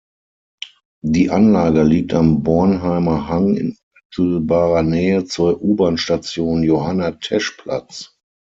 Die Anlage liegt am Bornheimer Hang in unmittelbarer Nähe zur U-Bahn-Station "Johanna-Tesch-Platz".